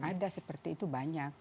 iya dulu ada seperti itu banyak